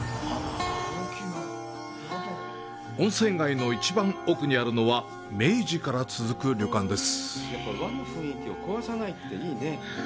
温泉街の一番奥にあるのは、明治から続く旅館です。